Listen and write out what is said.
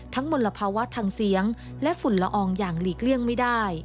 มลภาวะทางเสียงและฝุ่นละอองอย่างหลีกเลี่ยงไม่ได้